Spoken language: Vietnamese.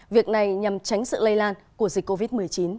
việc này nhằm tránh sự lây lan của dịch covid một mươi chín